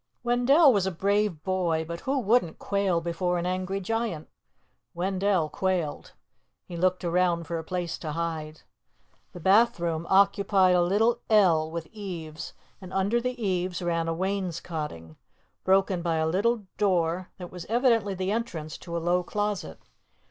Wendell was a brave boy, but who wouldn't quail before an angry giant? Wendell quailed. He looked around for a place to hide. The bathroom occupied a little ell with eaves, and under the eaves ran a wainscoting, broken by a little door that was evidently the entrance to a low closet.